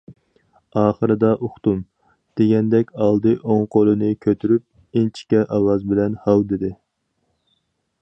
ئاخىرىدا« ئۇقتۇم» دېگەندەك ئالدى ئوڭ قولىنى كۆتۈرۈپ، ئىنچىكە ئاۋازى بىلەن« ھاۋ!» دېدى.